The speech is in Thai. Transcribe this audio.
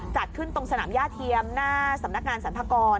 จัดขึ้นตรงสนามย่าเทียมหน้าสำนักงานสรรพากร